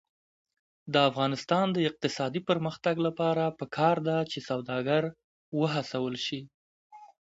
د افغانستان د اقتصادي پرمختګ لپاره پکار ده چې سوداګر وهڅول شي.